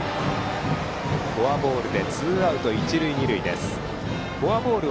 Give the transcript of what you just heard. フォアボールでツーアウト、一塁二塁です。